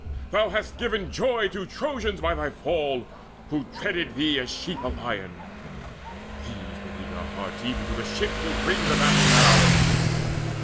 Thou hast given joy To Trojans by thy fall, who dreaded thee As sheep a lion. These with eager hearts Even to the ships will bring the battle now.